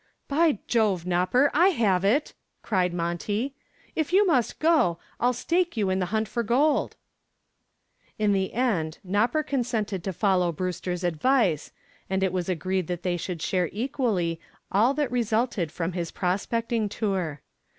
"By Jove, Nopper, I have it!" cried Monty. "If you must go, I'll stake you in the hunt for gold." In the end "Nopper" consented to follow Brewster's advice, and it was agreed that they should share equally all that resulted from his prospecting tour.